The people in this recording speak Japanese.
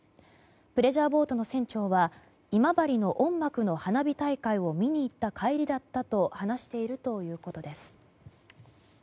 プレジャーボートの船長は今治のおんまくの花火大会を見に行った帰りだったと話しているということです。